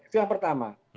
itu yang pertama